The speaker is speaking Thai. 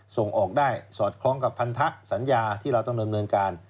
ส่งออกได้สอดคล้องกับพันธะสัญญาที่เราต้องดำเนินการ